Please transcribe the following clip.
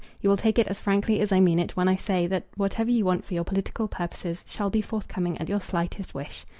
You will take it as frankly as I mean it when I say, that whatever you want for your political purposes shall be forthcoming at your slightest wish.